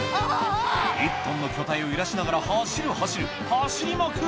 １ｔの巨体を揺らしながら走る走る走りまくる